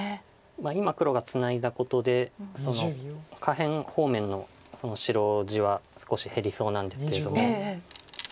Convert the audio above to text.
今黒がツナいだことで下辺方面の白地は少し減りそうなんですけれども。